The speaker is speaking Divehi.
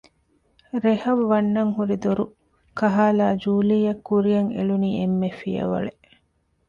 ރެހަށް ވަންނަން ހުންނަ ދޮރުކަހާލައި ޖޫލީއަށް ކުރިއަށް އެޅުނީ އެންމެ ފިޔަވަޅެއް